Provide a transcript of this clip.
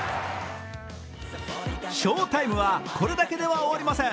翔タイムは、これだけでは終わりません。